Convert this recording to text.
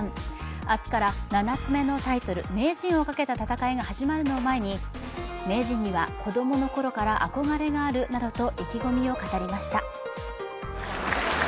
明日から７つ目のタイトル、名人をかけた戦いが始まるのを前に、名人には子どもの頃から憧れがあるなどと意気込みを語りました。